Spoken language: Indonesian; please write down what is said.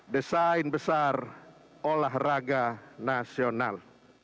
desain besar olahraga nasional